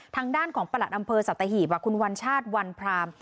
ทางด้านของประหลัดอำเภอสัตหีบคุณวัญชาติวันพราม